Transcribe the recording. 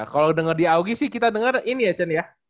kalau denger di audi sih kita denger ini ya cen ya